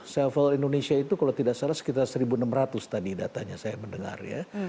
selfal indonesia itu kalau tidak salah sekitar satu enam ratus tadi datanya saya mendengar ya